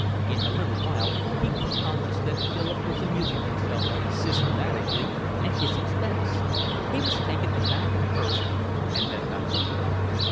In a little while he grew conscious that Philip was amusing himself systematically at his expense. He was taken aback at first and then diverted.